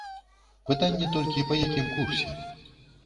Пытанне толькі, па якім курсе.